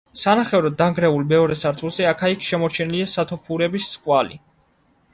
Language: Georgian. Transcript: სანახევროდ დანგრეულ მეორე სართულზე აქა-იქ შემორჩენილია სათოფურების კვალი.